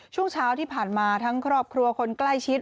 ช่วงเช้าที่ผ่านมาทั้งครอบครัวคนใกล้ชิด